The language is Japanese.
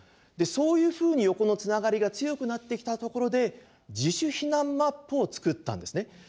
でそういうふうに横のつながりが強くなってきたところで自主避難マップを作ったんですね。